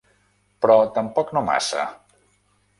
Però tampoc no massa.